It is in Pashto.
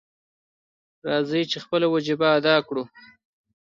راځئ چې خپله وجیبه ادا کړو.